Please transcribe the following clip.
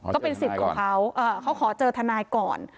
ก็เป็นสิทธิ์กับเค้าเค้าขอเจอทางนายก่อน